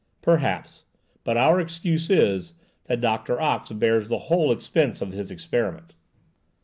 "Perhaps. But our excuse is, that Doctor Ox bears the whole expense of his experiment.